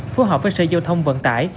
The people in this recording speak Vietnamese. phù hợp với xe giao thông vận tải